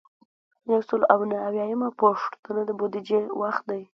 یو سل او نهه اویایمه پوښتنه د بودیجې وخت دی.